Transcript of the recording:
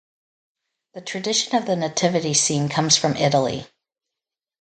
The tradition of the nativity scene comes from Italy.